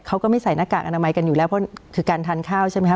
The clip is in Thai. เขาก็ไม่ใส่หน้ากากอนามัยกันอยู่แล้วเพราะคือการทานข้าวใช่ไหมคะ